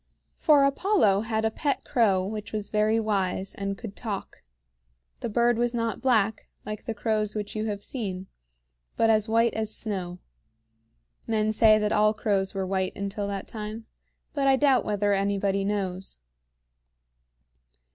For Apollo had a pet crow which was very wise, and could talk. The bird was not black, like the crows which you have seen, but as white as snow. Men say that all crows were white until that time, but I doubt whether anybody knows.